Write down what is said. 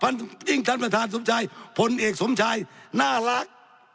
ยิ่งท่านประธานสมชัยพลเอกสมชัยน่ารัก